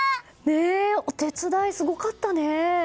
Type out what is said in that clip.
お手伝いすごかったね。